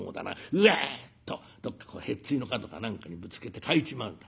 うわっとどっかへっついの角か何かにぶつけて欠いちまうんだ。